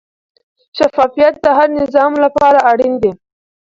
شفافیت د هر نظام لپاره اړین دی.